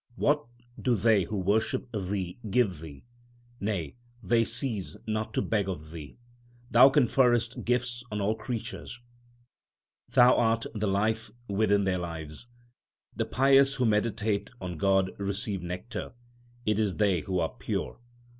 What do they who worship Thee give Thee ? Nay, they cease not to beg of Thee. Thou conferrest gifts on all creatures ; Thou art the life within their lives. The pious who meditate on God receive nectar ; it is they who are pure.